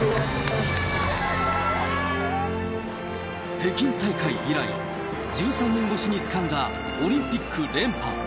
北京大会以来、１３年越しにつかんだオリンピック連覇。